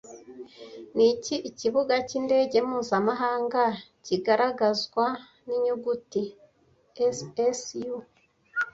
Niki ikibuga cyindege mpuzamahanga kigaragazwa ninyuguti CCU